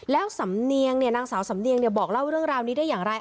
แล้วสำเนียงนางสาวสำเนียงบอกเล่าเรื่องราวนี้ได้อย่างไร